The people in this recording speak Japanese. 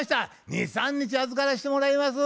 ２３日預からしてもらいます」。